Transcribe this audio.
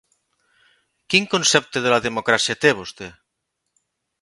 Quin concepte de la democràcia té vostè?